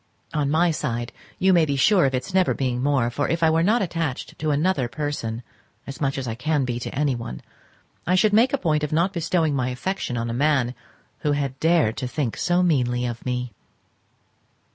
On my side you may be sure of its never being more, for if I were not attached to another person as much as I can be to anyone, I should make a point of not bestowing my affection on a man who had dared to think so meanly of me.